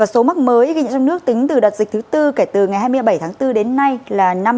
số mắc mới ghi nhận trong nước tính từ đợt dịch thứ bốn kể từ ngày hai mươi bảy tháng bốn đến nay là năm mươi sáu năm trăm ba mươi ca